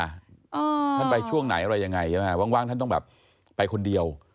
ท่านไปช่วงไหนอะไรยังไงใช่ไหมว่างท่านต้องแบบไปคนเดียว